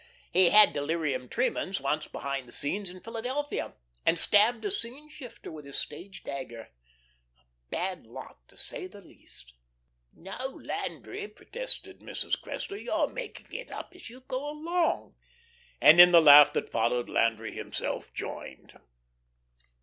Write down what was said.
He had delirium tremens once behind the scenes in Philadelphia, and stabbed a scene shifter with his stage dagger. A bad lot, to say the least." "Now, Landry," protested Mrs. Cressler, "you're making it up as you go along." And in the laugh that followed Landry himself joined.